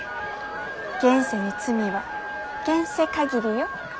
現世の罪は現世限りよ。